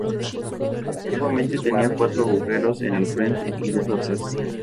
Antiguamente tenía cuatro agujeros en el frente y dos atrás.